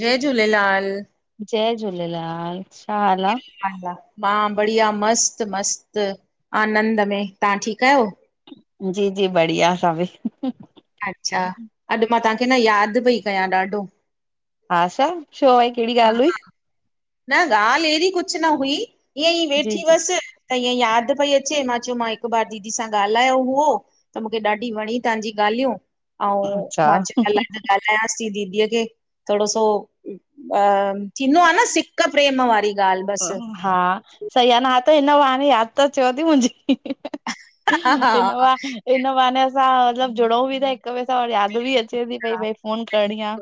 जय झूलेलाल। जय झूलेलाल, छा हाल आ? मां बढ़िया मस्त -मस्त आनंद में, तां ठीकु आयो? जी -जी बढ़िया सभी। अच्छा, अॼु मां तांखे न यादि पई कयां ॾाढो। हा छा, छो भाई कहिड़ी हा, ॻाल्हि हुई? न ॻाल्हि अहिड़ी कुछ न हुई, ईअं ई जी वेठी जी हुअसि, त ईअईं यादि पई अचे मां चयो मां हिकु बार दीदी सां ॻाल्हायो हुओ, त मूंखे ॾाढी वणी तव्हांजी ॻाल्हियूं, अऊं अच्छा मां चयो ॻालायां। ॻाल्हायांसि ती दीदीअ खे, थोड़ो सो अ-थींदो आ न सी सिक प्रेम वारी ॻाल्हि बसि। हा, सई आ न हाणे त हिन बहाने यादि त चयेव ती मुंहिंजी। हा हिन हा, बहा, हिन बहाने असां मतलबु जुड़ऊं बि ता, हिक ॿे सां वरी यादि बि अचे बि पई भई फोन करिणी आ,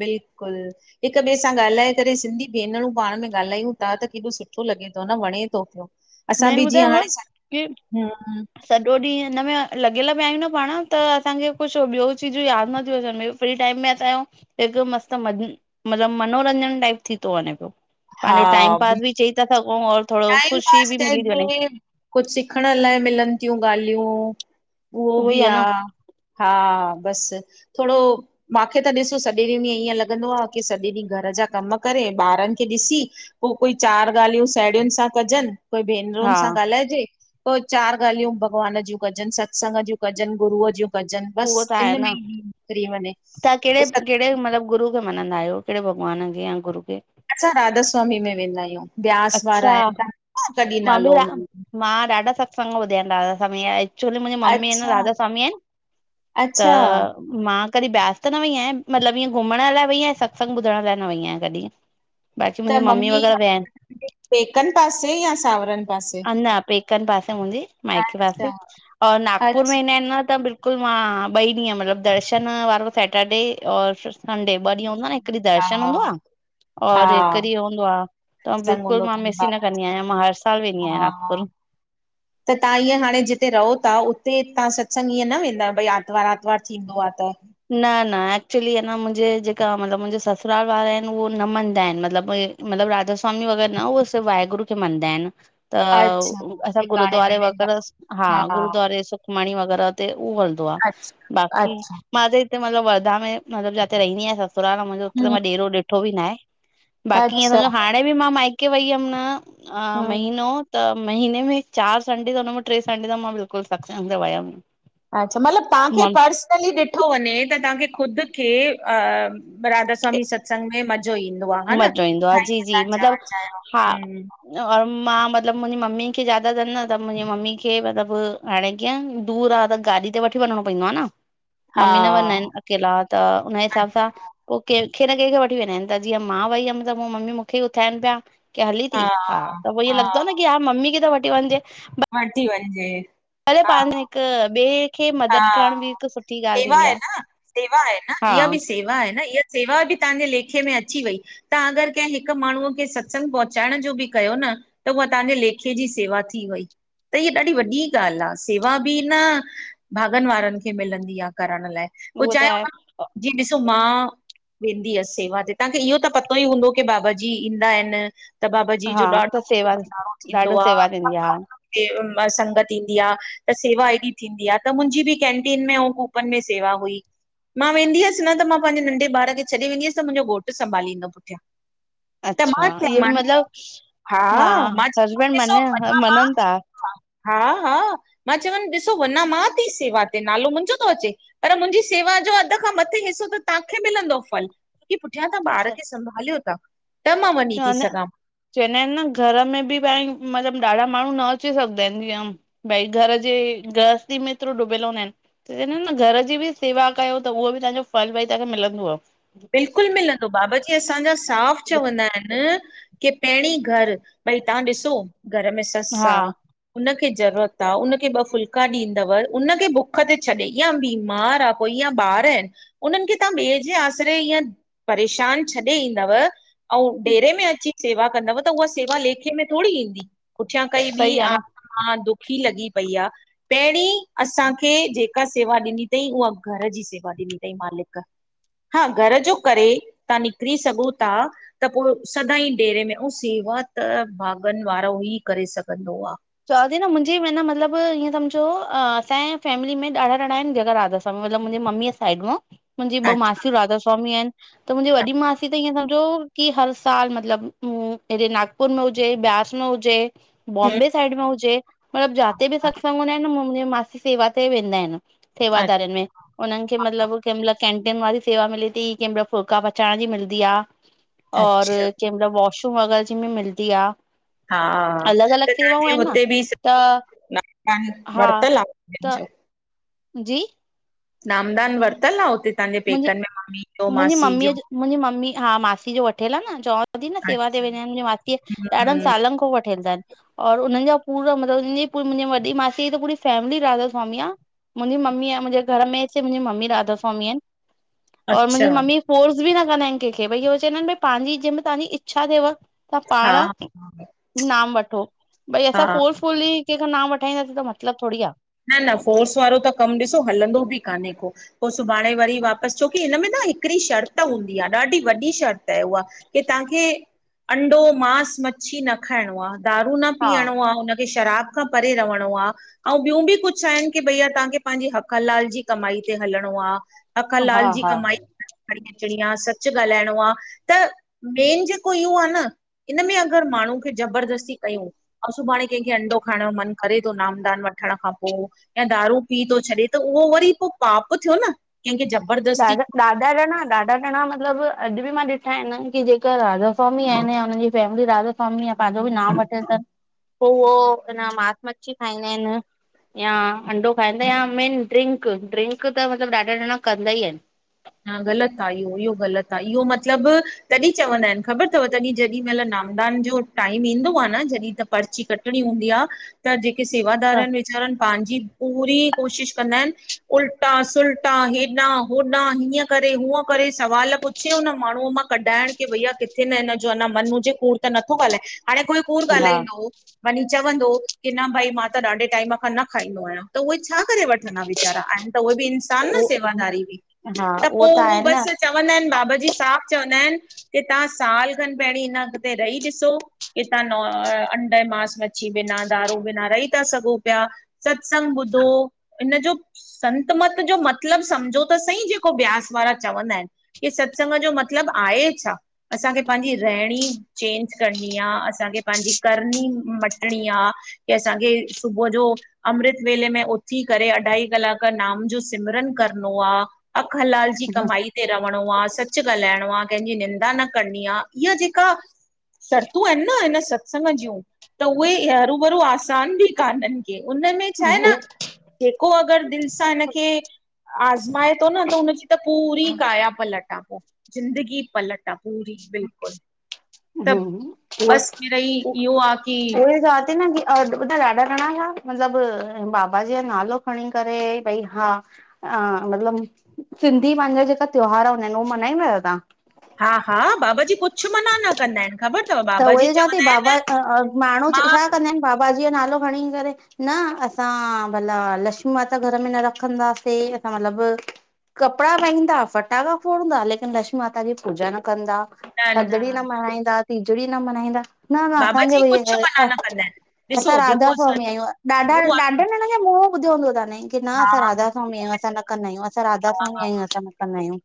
बिल्कुलु। हिक ॿे सां ॻाल्हाए करे, सिंधी भेनरूं पाण में ॻाल्हायूं ता त केॾो सुठो लॻे तो न वणे तो पियो। असां मेन बि जीअं ॿुधायांव की हाणे सॼो ॾींहुं हिनमें लॻियल पिया आहियूं न पाण त असांखे कुछु ॿियो चीजूं यादि नथियूं अचनि ॿियो फ्री टाइम में असांजो एॾो मस्त मतलबु मनोरंजन टाइप थी तो वञे पियो। हा पंहिंजो टाइम पास बि चई था सघूं और थोरो टाइम ख़ुशी पास बि मिली थी वञे चयजे, कुझु सिखण लाइ मिलनि थियूं ॻाल्हियूं। उहो ई बि आहे आ, न हा, बस थोरो मांखे त ॾिसो सॼे ॾींहुंं में ईअं लॻंदो आ कि सॼे ॾींहुं घर जा कम करे, ॿारनि खे ॾिसी पोइ कोई चार ॻाल्हियूं साहेड़ियुनि सां कजनि, कोई भेनरुनि हा सां ॻाल्हाइजे पोइ चारि ॻाल्हियूं भॻवान जूं कजनि, सत्संग जी कजनि गुरअ जूं कजनि उहो त बसि इन आहे में न ई ॾीहं निकिरी वञे तव्हां कहिड़े पो सत् कहिड़े मतिलबु गुरु खे मञंदा आहियो? कहिड़े भॻवान खे या गुरू खे असां राधास्वामी में वेंदा आहियूं, ब्यास वारा अच्छा आहिनि तव्हां तॾहिं मां बि नालो हुन मां ॾाढा सतसंग बुधया आहिन राधास्वामी जा। छोन मुंहिंजी मम्मी आहिनि अच्छा राधा स्वामी आहिनि, त अच्छा मां कॾहिं ब्यास त न वई आहियां, मतिलबु इअं घुमण लाइ वेई आहियां, सत्संगु ॿुधण लाइ न वई आहियां कॾहिं। बाक़ी त मुंहिंजी मम्मी ममी वग़ैरह विया आहिनि पेकनि पासे या सावरनि पासे अ न पेकंन पासे मुंहिंजे माइके अच्छा, पासे और नागपुर में अच्छा ईंदा आहिनि न त बिल्कु बिल्कुलु मां ॿई ॾींहं मतिलबु दर्शन वारो सैटरडे और संढे ॿ ॾींहं हूंदो आ न, हिक सही ॾीहं हा, दर्शन हूंदो आ, और हिक हा, ॾीहं हो हूंदो आ त संगों बिल्कुल मां मिस ही न कंदी आहियां, मां हर साल वेंदी आहियां नागपुर आवाज़ नथी अचे त तव्हां ईअं हाणे जिते रहो ता उते तव्हां सत्संग ईअं न वेंदा आहियो भई आरतवार आरतवारु थींदो आहे त? न न एक्चुली आहे न मुंहिंजे जेका मतलबु मुंहिंजे ससुराल वारा आहिनि उहो न मञदा आहिनि मतिलबु उहे मतिलब राधास्वामी वग़ैर न उह स वाहेगुरु खे मनंदा आहिनि। त अच्छा असां टिकाणे में गुरद्वारे वेंदा वग़ैरह हा गुरूद्वारे सुखमणी वग़ैरह ते उहा आहे अच्छा बाक़ी अच्छा मां हिते मतिलबु वर्धा में मतलब जाते रहंदी आहियां ससुराल मुंहिंजो हुते त हम्म मां ॾेरो ॾिठो बि न आहे। बाक़ी ईअं अच्छा सम्झो हाणे बि मां माइके वई हुयमि न हम्म महीनो त महीने में चारि संडे त हुन में टे संडे त मां बिल्कुलु सत्संग ते वयम। अच्छा मतिलबु तव्हांखे पर्सनली ॾिठो वञे त तव्हांखे ख़ुदि खे अ राधा सवामी सत्संग में म जो ईंदो आहे, हा न मज़ो ईंदो आहे तां जी हिंय जी था चवणु मतिलबु चाहियो, हा हम्म, और मां मतिलबु मुंहिंजी मम्मी खे ज्यादा अथनि न त मुंहिंजी मम्मी खे मतिलबु हाणे कींअ दूर आ त गाॾी ते वठी वञिणो पइंदो आ न। हा मम्मी न वञंदा आहिनि अकेला त हुनजे हिसाब सां पो कंहिंखे न कंहिंखे वठी वेंदा आहिनि त जीअं मां वई हुअमि त मम्मी मूंखे उथाइनि पिया कि हली ती, हा त पोइ ईअं लॻदो आ न कि हा ममी खे त वठी वनजे, बा वठी वञजे। अरे पाण में हिकु ॿिए खे मदद हा करण बि हिकु सुठी ॻाल्हि सेवा थींदी आहे न सेवा आहे न हा इहा बि सेवा सेवा आहे न, इहा सेवा बि तव्हांजे लेखे में अची वई। तव्हां अगरि कंहिं हिक माण्हूअ खे सत्संग पहुचाइण जो बि कयो न त उहा तव्हांजे लेखे जी सेवा थी वई। त हहा ॾाढी वॾी ॻाल्हि आ, सेवा बि न भाॻनि वारनि खे मिलंदी आ करण लाइ, पो उहो त चाहे आहे जींअ ॾिसो मां वेंदी हुअसि सेवा ते, तव्हांखे इहो त पतो ई हूंदो कि बाबा जी ईंदा आहिनि त बाबाजी जो हा ॾाढो त वॾो सेवा भंडारो थींदो ॾाढो सेवा थींदी आहे हा आ। संगत ईंदी आ, त सेवा एॾी थींदी आ त मुंजी ॿि कैंटीन में ऐं कूपन में सेवा हुई। मां वेंदी हुयस न त मां पेंॼे नंढे ॿार खे छॾे वेंदी अब त मुंजो घोट संभालींदो पुठयां। अच्छा इये ॿि मतिलब। हा मां च ॾिसो मञनि था [unintelligible] हा-हा मां चवन ॾिसो वञा मां थी सेवा ते नालो मुंहजो तो अचे। पर मुंजी सेवा ॼो अध खां मथे हिसो त तांखे मिलंदो फल। की पुठयां तां ॿार खे संभालयो ता त मां वञी ती चवंदा आहिन सघां। चवंदा आयन न घर में ॿि भ मतलब ॾाढा माणू न अची सघंदा आयन जीअं भई घर जे गहस्ती में हेतरो डुबयल हूंदा आयन। त चंयदा अन घर ॼी ॿि सेवा कयो त उहो ॿि तांजो फल भई ताखे मिलंदव। बिल्कुल मिलंदो बाबा ॼी असांजा साफ़ चवंदा आयन। के पैंरीं घर भई तां ॾिसो घर में सस हा आ। हुनखे ज़रूरत आ हुनखे ॿ फुल्का ॾींदव उनखे बुख ते छ्ॾे या बीमार आ। ॿार आयन उनन खे तां ॿे जे आस सॼे इयं परेशान छॾे ईंदव अउं ॾेरे में अची। सेवा कंदव त उया सेवा लेखे में थोरी ईंदी पुठयां काई ॿी सही न आ। हा दुखी लॻी पई आ पैंरीं असांखे जेका सेवा ॾिनी तई उया। घर ॼी सेवा ॾिनी तईं मालिक। हा घर ॼो करे तां निकरी सघो ता। त पो सदाई डेरे में ऐं सेवा त भागन वारो ई करे सघंदो आ। चवाती न मुंजे म न मतलब ईअं समझो असांजे फैमिली में ॾाढा ॼणा आयन ॼेका राधास मतलब मुंजे मम्मीअ साइड मां मुंजी ॿ अच्छा मासियूं राधा स्वामी आयन। त मुंजी वॾी मासी त ईअं समझो की हर साल मतलब मूं हेॾे नाग पूर में हुजे ब्यास में हुजे। ह बॉम्बे साइड में हुजे मतलब जाते ॿि सत्संग हूंदा आयन नी मासी सेवा ते वेंदा आयन। सेवाधारन में हुनन खे मतलब कें मल कैंटीन वारी सेवा मिलेती कें मल फुलका पचाइण ॼी मिलंदी आ और अच्छा कें मल वॉशरूम वगैर जेंमें मिलदी आ। हा त तांजे न हुते बि त नामदान हा वरतल आ? त जी? नामदान वरतल आ हुते तांजे पेकन में मम्मी जो मुंॼी मासी ममीअ जो मुंॼी मम्मी हा मासी जो वठियल आ न चवां ती न सेवा ते अच्छा वेंदा आयन मुंॼी मासीअ। ॾाडन हम्म सालं खो वठलतन। और उनन जा पूरा मतलब मुंजी वॾी मासी ॼी त पूरी फेमिली राधा स्वामी आ। मुंॼी मम्मी आ मुंॼे घर में सिर्फ मुंॼी मम्मी राधा स्वामी आयन। और मुंॼी अच्छा मम्मी फोर्स ॿि न कंदा आयन केंखे भई इह चयंदा आयन भाई पांॼी जेंमें तांजी इच्छा थेव त हा पाण नाम वठो भई हा असां फोरस फुली केंखा नाम वठाईंदासीं त मतलब थोड़ी आ। न-न फोर्स वारो त कम ॾिसो हलंदो ॿि काने को। पो सुभाणे वरी वापस छोकी हिन में न आ- हिकरी शर्त हूंदी आ ॾाढी वॾी शर्त आ उहा की तांखे अंडो, मांस, मच्छी न खाइणो आ। दारू न हा पीअणो आ हुनके शराब खां परे रहणो आ ॿियूं ॿि कुछ आयन की भईया तांखे पांॼी हक हलाल ॼी कमाई ते हलणो आ। हक हा हलाल ॼी हा कमाई। करे अचणी आ सच ॻाल्हाइणो आ त मेन जेको इहो आ न इन में अगरि माण्हू खे ज़बरदस्ती कयूं अउं सुभाणे कंहिंखे अंडो खाइण जो मन करे थो नामदान वठ ठण खां पोइ या दारू पी थो छॾे त उहो वरी पोइ पाप थियो न कंहिंखे जप न न न इनौड़ीबल [unintelligible] ॾढ न ॾाढा ॼणा मतिलबु अॼु मां ॾिठा आहिन, की जेक राधा स्वामी आहिन यानि उननि जी फैमिली राधा स्वामी स्वामी पंहिंजो बि नाम वठल अथस पोइ उहो न मास मच्छी खाईंदा आहिन या अंडो खाईंदा या मेन ड्रिंक, ड्रिंक त मतिलबु ॾाढा ॼणा कंदा ई आहिन। हा ग़लति आ, इहो इहो ग़लति आ इहो मतिलबु तॾहिं चवंदा आहिन, ख़बर अथव तॾहिं जेॾी महिल नामदान जो टाइम ईंदो आ न जॾहिं त पर्ची कटणी हूंदी आ त जेके सेवादार आहिन वेचारानि पंहिंजी पूरी कोशिश कंदा आहिन उल्टा, सुल्टा हेॾां होॾां हीय करे हूअ करे सुवाल पुछई, हुन माण्हूअ मां कढाइण की भईया किथे न हिन जो अञा मन हुजे कूर त नथो ॻाल्हाए हाणे कोई कूड़ अच्छा ॻाल्हाईंदो वञी चवंदो की न भई मां त ॾाढे टाइम खां न खाईंदो आहियां, त उहे छा करे वठंदा विचारा आहिन त उहे बि इंसान न सेवादारी बि हा त पोइ उहो आहे बस न चवंदा आहिन बाबा जी साफ़ चवंदा आहिन की तहां साल खनि पहिरीं हिन अॻिते रही ॾिसो इतां न अंडे मास मच्छी बिना दारू बिना रही ता सघो पिया सत्संग ॿुधो इन जो संतमत जो मतिलबु सम्झो त सही जेको ब्यास वारा चवंदा आहिन की सत्संग जो मतिलबु आहे छा? असांखे पंहिंजी रहिणी चेंज करणी आ, असांखे पंहिंजी करणी मटणी आ। की असांखे सुबुह जो अमृत वेले में उथी करे अढाई कलाक नाम जो सिमरन करणो आ। हक हलाल जी कमाई रहणो आ सच ॻाल्हाइणो आ, कंहिंजी निंदा न करणी आ इहा जेका शर्तू आहिन न इन सत्संग जूं त उहे हरू भरू आसान बि कान आहिन उनमें छा आहे न जेको अगरि दिलि सां हिनखे आज़माए पोइ न त हुनजी त पूरी काया पलट आ पोइ। ज़िंदगी पलट आ पूरी बिल्कुलु। ह त उ बसि मिड़ई उ इहो आ की उहे ई चवा थी न कि ॿुधा ॾाढा जणा हुया मतिलब बाबा जी जो नालो खणी करे भई हा हा, मतलबु सिंधी पंहिंजा जेका त्योहार हूंदा आहिन उह मनाईंदा आयो तहां हा हा बाबा जी खुद त उहई त चवां ती चवंदा आहिनि बाबा माण्हू मां छा कंदा आहिन बाबा जी जो नालो खणी करे न असां भला लक्ष्मी माता घर में न रखंदा सीं असां मतिलब कपिड़ा पाईंदा फटाका फोड़ंदा लेकिन लक्ष्मी माता जी पूजा न कंदा थधड़ी न मनाईंदा, तीजड़ी न मनाईंदा न न बाबा असांखे जी बी इय कुझु मना ॻाल्ह न कंदा आहिनि ॾिसो असां जेको राधा स्वामी, असांजो आहियूं ॾाढा गुरू आ न ॾाढे ज़णन मूंह ॿुधो हो त न की न हा असां राधा स्वामी आयूं, असां न कंदा आहियूं असां राधास्वामी आयूं असां न कंदा आहियूं।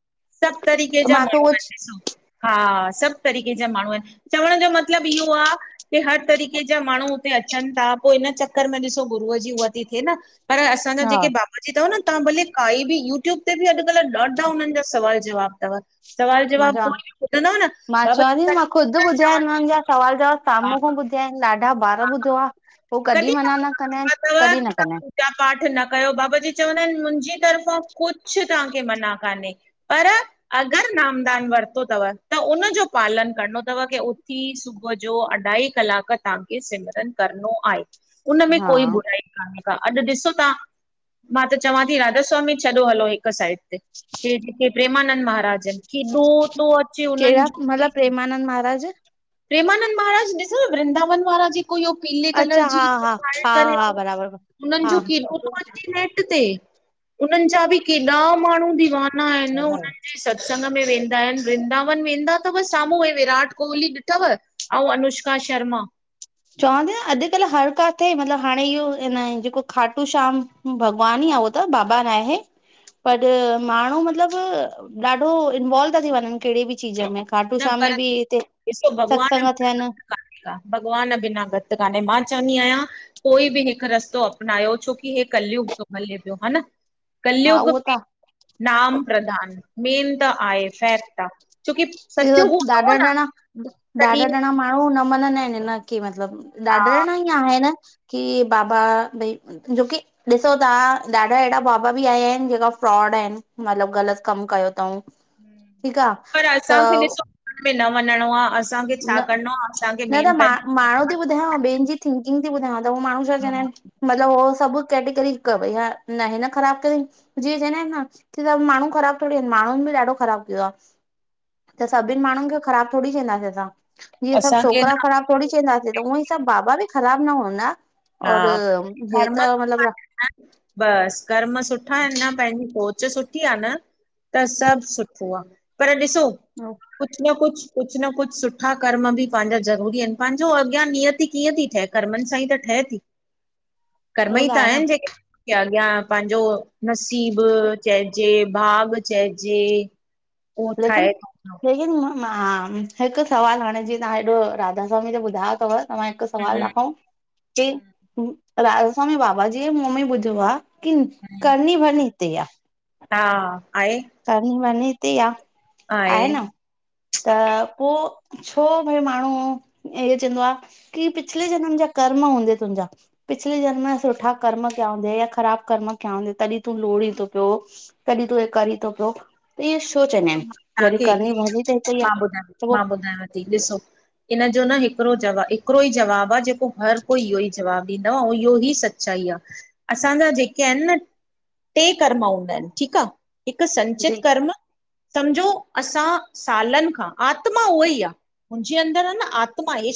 सभ तरीके त जा मां त माण्हू उहो आहिन ॾिसो। हा सभु तरीके जा माण्हू आहिन चवण जो मतिलब इहो आ इते हर तरीक़े जा माण्हू हुते अचन ता, पो इन चक्कर में ॾिसो गुरूअ जी उह ती थे न पर असांजा हा जेके बाबाजी तव न तव्हां भले काई बि यूट्यूब ते बि अॼुकल्ह ॾाढा उन्हिन जा सवाल जवाब तव सवाल मां जवाब चवां कोई बी ॿुधंदव न मां बाबा चवां थी मां ख़ुदि ॿुधिया [unintelligible] आहिनि हुननि जा सवाल जवाब हा सामूं खां ॿुध ॾाढा बार ॿुधो आ उ कॾहिं मना न कंदा आहिन कॾहिं न कंदा आहिन तां पाठ न कयो बाबा जी चवंदा आहिन मुंहिंजी तरफ़ां कुछ तव्हांखे मना कान्हे पर अगरि नामदान वरितो तव त उनजो पालन करिणो तव की उथी सुबुह जो अढाई कलाक तव्हांखे सिमरन करणो आहे उनमें हा कोई बुराई कान्हे ा अॼु ॾिसो तव्हां मां त चवां थी राधा स्वामी छॾो हलो हिक साइड जेके प्रेमानंद महाराज आहिन केॾो तो अचे उनि जो बि आनंद महाराज प्रेमानंद महाराज ॾिसो वृंदावन वारा जी पो इयो पीले कलर अच्छा जी हा हा पाए हा करे हा अऊं बराबर उननि हा जो केॾो तो अचे नेट ते उन्हनि जा बि केॾा माण्हू दीवाना आहिन उन्हनि जे स सत्संग में वेंदा आहिन वृंदावन वेंदा तव साम्हूं व विराट कोहली तव ऐं अनुष्का शर्मा चवांती न अॼुकल्ह हर काथे मतलब हाणे इहो न जेको खाटू श्याम भगवान ई आ हो त बाबा नाहे पर माण्हू मतिलब ॾाढो इनवॉल्व ता थी वञन कहिड़ी बि चीज मे खाटू न शाम पर में बि हिते ॾिसो भॻवान सतसंग थियनि कान्हे का भॻवान बिना गति कान्हे मां चवंदी आहियां कोई बि हिकु रस्तो अपनायो छोकी हे कलयुग तो हले पियो हा न हा कलियुग उहो में त नाम प्रदान मेन त आहे फैक्ट आ छोकी इ सत्य हूंदो ॾाढा हो न ॼणा ॾाढा तॾहिं ॼणा माण्हू न मनंदा आहिन हिन खे मतिलबु ॾाडा हा ॼणा ईयं आहे‌ न कि बाबा भई जोकी ॾिसो तव्हां ॾाढा अहिड़ा बाबा बि आया आहिन जेका फ्रॉड आहिन मतिलबु ग़लति कमु कयो तऊं हम्म। ठीकु आ पर असांखे ॾिसो घर में न वञिणो आ असांखे छा करिणो आ असांखे मेन ती ॿुधायांव ॿे जी थिकिंग थी ॿुधायांव तह माणू छा चवंदा आहिनि मतिलब उहो सभु कैटेगरी क भई हा न हि न ख़राबु कयईं जीअं चवंदा आहिनि न की सभ माण्हू ख़राब थोडेही इन माण्हुनि बि ॾाढो ख़राबु कयो आ त सभिनि माण्हुनि खे ख़राबु थोड़ी चंदासीं असां जीअं सभु असांखे न छोकिरा ख़राब थोड़ी चवंदासीं त उअ ई सभु बाबा बि ख़राब न हूंदा हा और हे कर्म त मतलब बसि कर्म सुठा आहिन न पंहिंजी सोच सुठी आ न त सभु सुठो आ पर ॾिसो ह [unintelligible] कुझु न कुझु कुझु न कुझु सुठा कर्म बि पंहिंजा ज़रूरी आहिन पंहिंजो अॻियां नियति कीअं थी ठहे कर्मनि सां ई त ठहे थी कर्म उहो ई त आहे न आहिन जेके की अॻियां पंहिंजो नसीब चएजे भाॻ चइजे उहो लेकिन ठाहे थो पियो, लेकिन मां हिकु सवालु हाणे जीअं तव्हां हेॾो राधा स्वामी ते ॿुधायो अथव तव्हां हिकु सुवाल रखो कि हम्म राधास्वामी बाबाजीअ मुंह में ॿुधो आहे कि करणी भरनी हिते ही आ हा, आहे। करणी भरनी हिते आ। आहे, त पो छो भई माण्हू इअ चवंदो आ कि पिछले जनम जा कर्म हूंदई तुंहिंजाश पिछले जनम सुठा कर्म कया हूंदै या ख़राबु कर्म क्या हूंदै तॾहिं तूं लोड़ी थो पियो। तॾहिं तूं हे करी थो पियो, त इ छो चवंदा आहिन? जॾहिं तव्हांखे करणी हिकिड़ी भरनी त हि मां बुधाया, मां ॿुधायांव थी ॾिसो इन जो न हिकिड़ो जवाब हिकिड़ो ई जवाब आ जेको पो हर कोई इहो ई जवाबु ॾींदो, ऐं इहो ई सचाई आ, असांजा जेके आहिनि न टे कर्म हूंदा आहिनि ठीकु आहे हिकु जे संचित कर्म सम्झो असां सालनि खां आत्मा उहो ई आहे जिंअं अंदरि आ न आत्मा आ